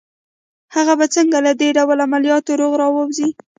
هغه به څنګه له دې ډول عملياته روغ را ووځي